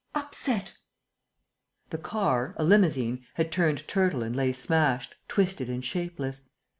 "Upset!" The car, a limousine, had turned turtle and lay smashed, twisted and shapeless.